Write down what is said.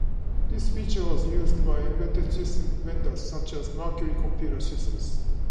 This feature was used by embedded systems vendors such as Mercury Computer Systems.